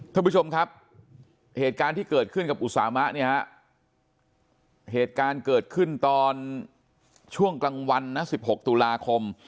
ท่านผู้ชมครับเหตุการณ์ที่เกิดขึ้นกับอุสามะเนี่ยฮะเหตุการณ์เกิดขึ้นตอนช่วงกลางวันนะ๑๖ตุลาคม